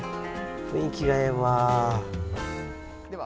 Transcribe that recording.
雰囲気がええわあ。